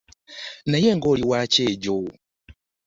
Naye nga oli wakyejo.